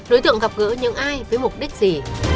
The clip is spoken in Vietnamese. đối tượng gặp gỡ những ai với mục đích gì